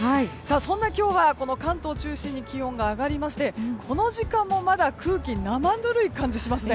そんな今日は関東中心に気温が上がりましてこの時間もまだ空気生ぬるい感じがしますね。